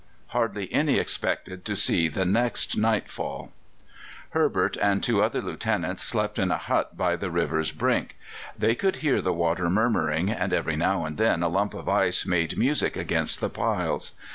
Hardly any expected to see the next nightfall. Herbert and two other Lieutenants slept in a hut by the river's brink; they could hear the water murmuring, and every now and then a lump of ice made music against the piles.